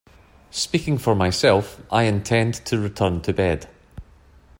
Speaking for myself, I intend to return to bed.